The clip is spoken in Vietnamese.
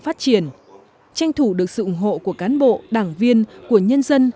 phát triển tranh thủ được sự ủng hộ của cán bộ đảng viên của nhân dân